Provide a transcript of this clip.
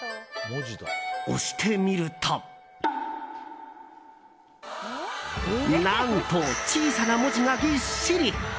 押してみると何と、小さな文字がぎっしり！